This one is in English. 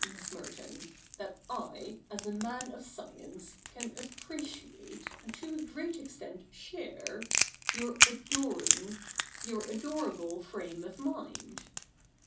Miss Merton, that I, as a man of science, can appreciate, and to a great extent share, your adoring — your adorable frame of mind.'